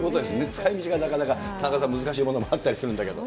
使いみちがなかなか、田中さん、難しいものがあったりするんですけど。